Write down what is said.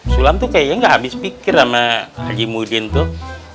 sulam tuh kayaknya gak habis pikir sama haji mudin tuh